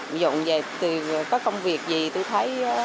ví dụ như vậy có công việc gì tôi thấy